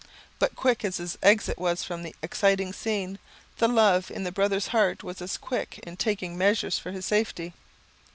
But quick as his exit was from the exciting scene, the love in the brother's heart was as quick in taking measures for his safety.